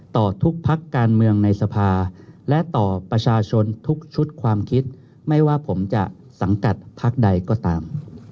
ต่อทุกพักการเมืองในสภาและต่อประชาชนทุกชุดความคิดไม่ว่าผมจะสังกัดพักใดก็ตาม